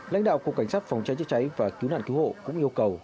lãnh đạo cục cảnh sát phòng cháy chữa cháy và cứu nạn cứu hộ cũng yêu cầu